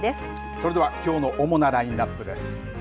それではきょうの主なラインアップです。